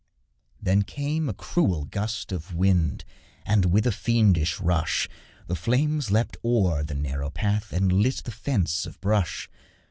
Then came a cruel gust of wind, And, with a fiendish rush, The flames leapt o'er the narrow path And lit the fence of brush.